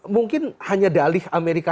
mungkin hanya dalih amerika